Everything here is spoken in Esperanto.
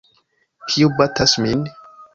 Kiu batas min?